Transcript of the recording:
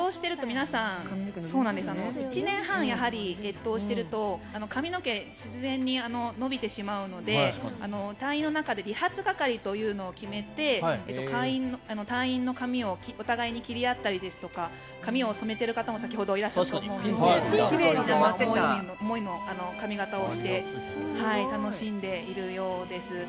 １年半、越冬していると皆さん髪の毛が自然に伸びてしまうので隊員の中で理髪係というのを決めて隊員の髪をお互いに切り合ったりですとか髪を染めている方も先ほどいらっしゃったと思うんですが思い思いの髪形をして楽しんでいるようです。